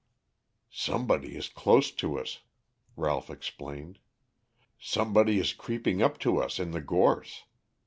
"Somebody is close to us," Ralph explained. "Somebody is creeping up to us in the gorse.